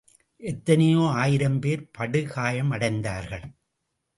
எத்தனையோ ஆயிரம் பேர் படுகாயமடைந்தார்கள்.